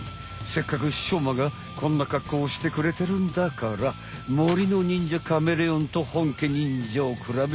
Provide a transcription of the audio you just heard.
せっかくしょうまがこんなかっこうしてくれてるんだから森の忍者カメレオンとほんけ忍者をくらべてみようじゃん！